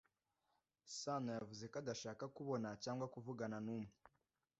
Sanoyavuze ko adashaka kubona cyangwa kuvugana n'umwe.